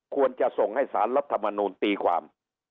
ควรจะส่งให้สารรัฐมนูลตีความ